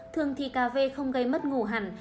thường thì cà phê không gây mất ngủ hẳn